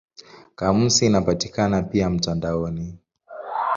Kamusi inapatikana pia mtandaoni.